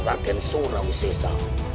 raden surawi sesa